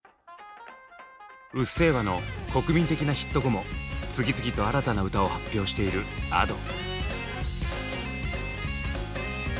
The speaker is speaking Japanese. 「うっせぇわ」の国民的なヒット後も次々と新たな歌を発表しているＡｄｏ。